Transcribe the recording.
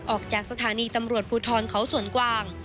ออกจากสถานีตำรวจภูทรเขาสวนกวาง